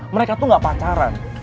mereka tuh gak pacaran